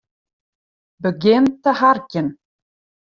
Begjin te harkjen.